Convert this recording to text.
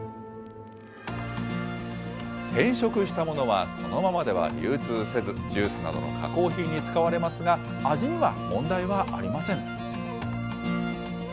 変色したものは、そのままでは流通せず、ジュースなどの加工品に使われますが、味には問題はありません。